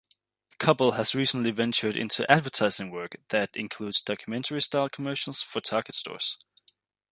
Kopple has recently ventured into advertising work that includes documentary-style commercials for Target Stores.